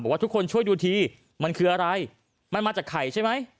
ว่าทุกคนช่วยดูทีมันคืออะไรมันมาจากไข่ใช่ไหม